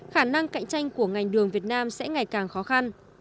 khả năng cạnh tranh của ngành đường việt nam sẽ ngày càng khó khăn